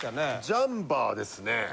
ジャンパーですね。